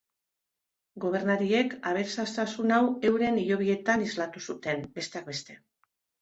Gobernariek aberastasun hau euren hilobietan islatu zuten, besteak beste.